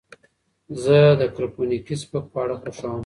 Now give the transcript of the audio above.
زه د کرپونکي سپک خواړه خوښوم.